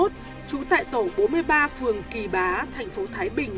trú tại tổ bốn mươi ba phường kỳ bá thành phố thái bình